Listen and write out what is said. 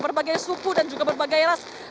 berbagai suku dan juga berbagai ras